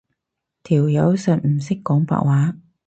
條友實唔識講白話